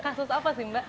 kasus apa sih mbak